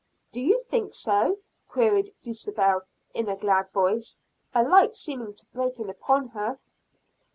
"Do you think so?" queried Dulcibel in a glad voice, a light seeming to break in upon her.